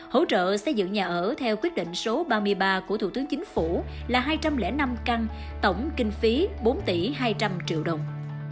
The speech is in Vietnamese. hỗ trợ xây dựng nhà ở theo quyết định số ba mươi ba của thủ tướng chính phủ là hai trăm linh năm căn tổng kinh phí bốn tỷ hai trăm linh triệu đồng